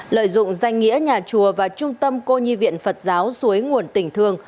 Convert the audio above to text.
lợi dụng danh nghĩa nhà chùa và trung tâm cô nhi viện phật giáo suối nguồn tỉnh thương